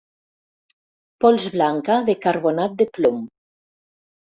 Pols blanca de carbonat de plom.